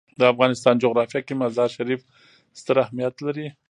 د افغانستان جغرافیه کې مزارشریف ستر اهمیت لري.